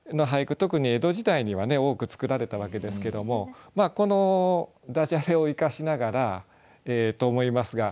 特に江戸時代には多く作られたわけですけどもこのダジャレを生かしながらと思いますが。